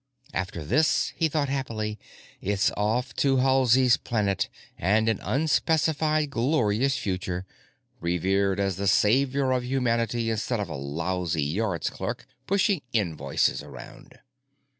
After this, he thought happily, it's off to Halsey's Planet and an unspecified glorious future, revered as the savior of humanity instead of a lousy Yards clerk pushing invoices around.